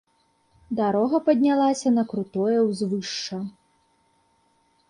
Дарога паднялася на крутое ўзвышша.